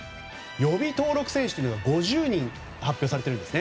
予備登録選手というのが５０人発表されているんですね。